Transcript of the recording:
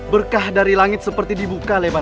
berkah dari langit seperti dibuka lebar